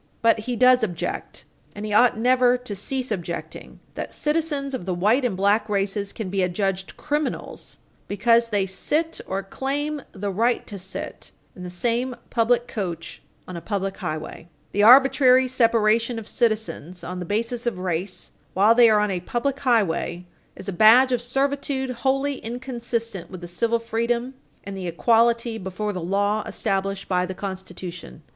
But he objecting, and ought never to cease objecting, to the proposition that citizens of the white and black race can be adjudged criminals because they sit, or claim the right to sit, in the same public coach on a public highway. Page 163 U. S. 562 The arbitrary separation of citizens on the basis of race while they are on a public highway is a badge of servitude wholly inconsistent with the civil freedom and the equality before the law established by the Constitution.